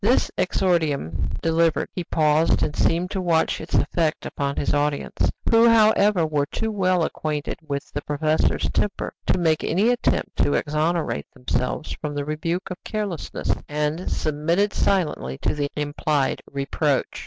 This exordium delivered, he paused and seemed to watch its effect upon his audience, who, however, were too well acquainted with the professor's temper to make any attempt to exonerate themselves from the rebuke of carelessness, and submitted silently to the implied reproach.